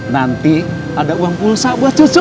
nanti ada uang pulsa buat cucu